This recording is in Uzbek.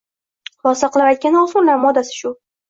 Xulosa qilib aytganda, o‘smirlar modasi shu.